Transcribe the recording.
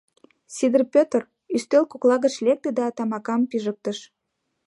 Сидыр Петр ӱстел кокла гыч лекте да тамакым пижыктыш.